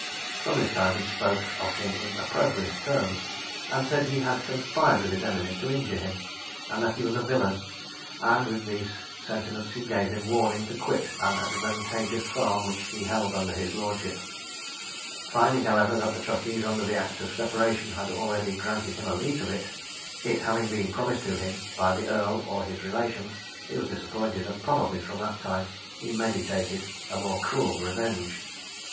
From this time he spoke of him in opprobrious terms, and said he had conspired with his enemies to injure him, and that he was a villain; and with these sentiments he gave him warning to quit an advantageous farm which he held under his lordship. Finding, however, that the trustees under the act of separation had already granted him a lease of it, it having been promised to him by the earl or his relations, he was disappointed, and probably from that time he meditated a more cruel revenge.